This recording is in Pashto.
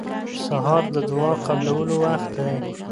سهار د دعا قبولو وخت دی.